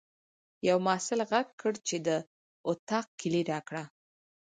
یوه محصل غږ کړ چې د اطاق کیلۍ راکړه.